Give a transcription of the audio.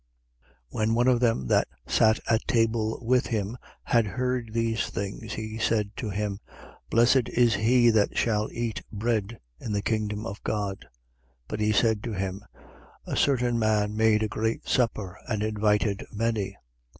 14:15. When one of them that sat at table with him had heard these things, he said to him: Blessed is he that shall eat bread in the kingdom of God. 14:16. But he said to him: A certain man made a great supper and invited many.